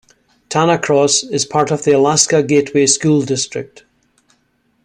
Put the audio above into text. Tanacross is part of the Alaska Gateway School District.